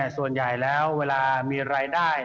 ส่วนใหญ่แล้วเวลามีรายได้